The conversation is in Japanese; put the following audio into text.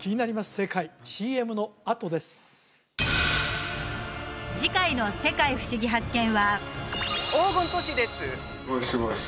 正解ＣＭのあとです次回の「世界ふしぎ発見！」は黄金都市です！